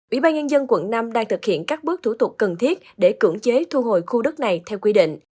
ủy ban nhân dân quận năm đang thực hiện các bước thủ tục cần thiết để cưỡng chế thu hồi khu đất này theo quy định